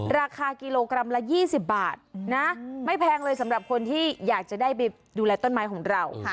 ราคากิโลกรัมละ๒๐บาทนะไม่แพงเลยสำหรับคนที่อยากจะได้ไปดูแลต้นไม้ของเรา